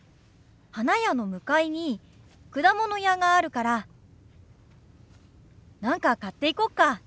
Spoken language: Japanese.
花屋の向かいに果物屋があるから何か買っていこうか。